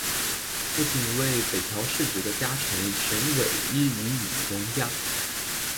父亲为北条氏直的家臣神尾伊予守荣加。